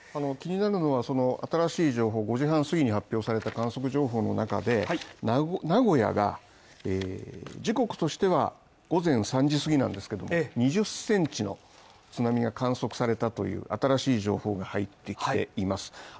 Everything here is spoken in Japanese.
気になるのは新しい情報５時半過ぎに発表された観測情報の中で、名古屋が時刻としては、午前３時過ぎなんですけども２０センチの津波が観測されたという新しい情報が入ってきています